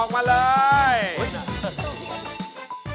ได้แล้ว